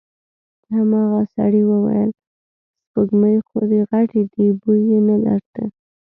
هماغه سړي وويل: سپږمې خو دې غټې دې، بوی يې نه درته؟